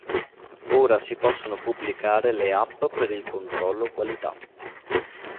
Ora si possono pubblicare le app per il controllo qualità.